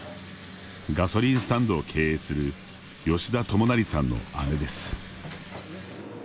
ガソリンスタンドを経営する吉田知成さんの姉です。